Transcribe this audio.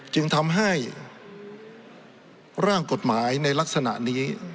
จึงทำให้ร่างกฎหมายในลักษณะนี้